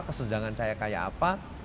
kesejangan saya kayak apa